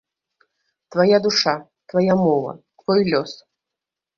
Твая душа, твая мова, твой лёс.